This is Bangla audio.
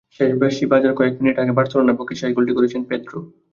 শেষ বাঁশি বাজার কয়েক মিনিট আগে বার্সেলোনার পক্ষে শেষ গোলটি করেছেন পেদ্রো।